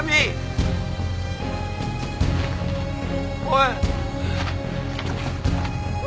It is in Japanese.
おい。